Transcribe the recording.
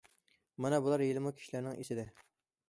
مانا بۇلار ھېلىمۇ كىشىلەرنىڭ ئېسىدە.